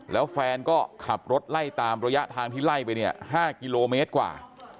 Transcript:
แล้วแฟนก็ขับรถไล่ตามระยะทางที่ไล่ไปเนี่ย๕กิโลเมตรกว่า